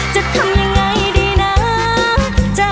จะทำยังไงยังไง